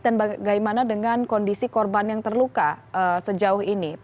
dan bagaimana dengan kondisi korban yang terluka sejauh ini